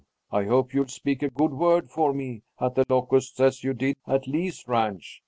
I hope you'll speak as good a word for me at The Locusts as you did at Lee's ranch.